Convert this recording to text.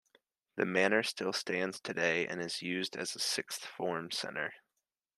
The Manor still stands today, and is used as a sixth form centre.